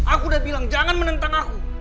aku udah bilang jangan menentang aku